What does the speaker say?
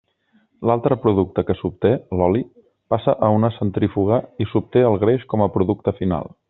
L'altre producte que s'obté, l'oli, passa a una centrífuga i s'obté el greix com a producte final.